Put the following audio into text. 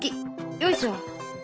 よいしょ。